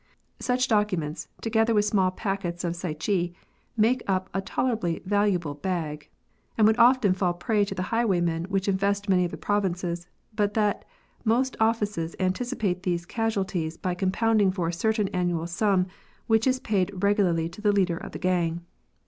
Such docu ments, together with small packets of sycee, make up a tolerably valuable bag, and would often fall a prey to the highwaymen which infest many of the provinces, but that most offices anticipate these casualties by compounding for a certain annual sum which is paid regularly to the leader of the gang.